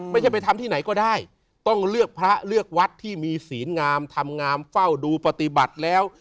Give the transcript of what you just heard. ไปทำที่ไหนก็ได้ต้องเลือกพระเลือกวัดที่มีศีลงามทำงามเฝ้าดูปฏิบัติแล้ว